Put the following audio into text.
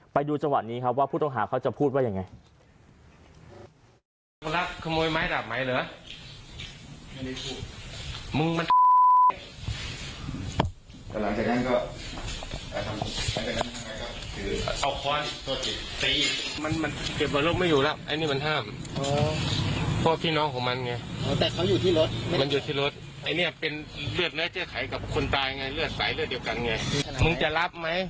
ไปดูจังหวัดนี้ครับว่าผู้ต้องหาเขาจะพูดว่ายังไง